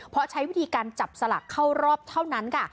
เพราะใช้วิธีการจับสลักเข้ารอบเท่านั้นค่ะ